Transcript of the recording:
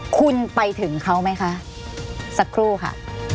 คุณไปถึงเขาไหมคะสักครู่ค่ะ